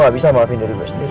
gak bisa maafin diri gue sendiri